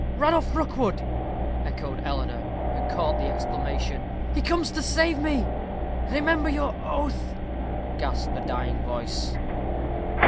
"Ranulph Rookwood," echoed Eleanor, who caught the exclamation: "he comes to save me." "Remember your oath," gasped a dying voice.